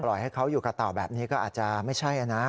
ให้เขาอยู่กับเต่าแบบนี้ก็อาจจะไม่ใช่นะ